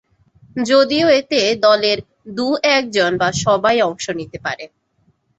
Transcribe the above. যদিও এতে দলের দুই একজন বা সবাই অংশ নিতে পারে।